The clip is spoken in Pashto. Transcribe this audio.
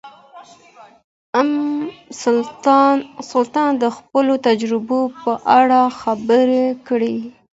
ام سلطان د خپلو تجربو په اړه خبرې کړې.